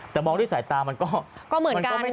แต่มองที่สายตามันก็ไม่ต่างเท่าไหร่